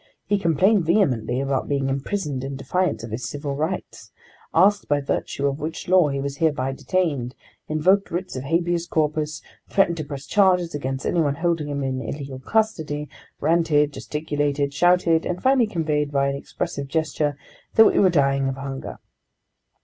He complained vehemently about being imprisoned in defiance of his civil rights, asked by virtue of which law he was hereby detained, invoked writs of habeas corpus, threatened to press charges against anyone holding him in illegal custody, ranted, gesticulated, shouted, and finally conveyed by an expressive gesture that we were dying of hunger.